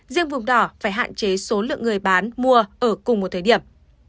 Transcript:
riêng vùng đỏ phải hạn chế số lượng người bán mua ở cùng một thời điểm